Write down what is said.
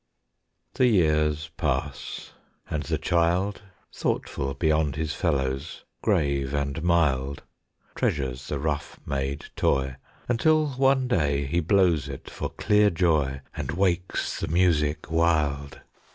The years pass. And the child Thoughtful beyond his fellows, grave and mild, Treasures the rough made toy, Until one day he blows it for clear joy, And wakes the music wild.